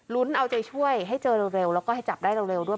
เอาใจช่วยให้เจอเร็วแล้วก็ให้จับได้เร็วด้วย